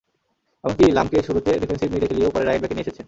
এমনকি লামকে শুরুতে ডিফেন্সিভ মিডে খেলিয়েও পরে রাইট ব্যাকে নিয়ে এসেছেন।